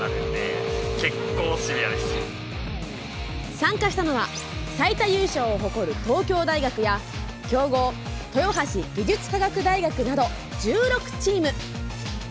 参加したのは最多優勝を誇る東京大学や強豪、豊橋技術科学大学など１６チーム。